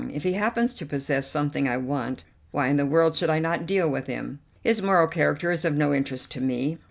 If he happens to possess something I want, why in the world should I not deal with him. His moral character is of no interest to me.